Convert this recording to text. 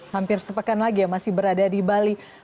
hampir sepekan lagi ya masih berada di bali